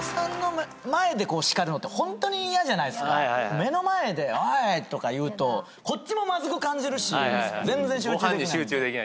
目の前で「おい」とか言うとこっちもまずく感じるし全然集中できない。